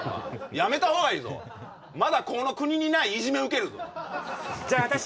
やめた方がいいぞまだこの国にないいじめを受けるぞじゃあ